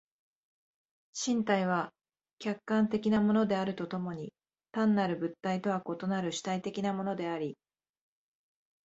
身体は客観的なものであると共に単なる物体とは異なる主体的なものであり、